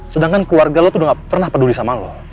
sedangkan keluarga lo tuh nggak pernah peduli sama lo